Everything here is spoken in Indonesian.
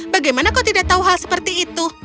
bagaimana kau tidak tahu hal seperti itu